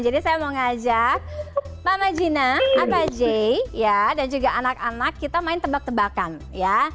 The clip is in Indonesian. jadi saya mau ngajak mama gina papa jay ya dan juga anak anak kita main tebak tebakan ya